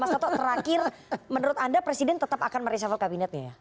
mas toto terakhir menurut anda presiden tetap akan meresafel kabinetnya ya